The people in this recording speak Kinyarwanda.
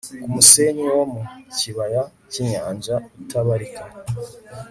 nk umusenyi wo mu kibaya cy inyanja utabarika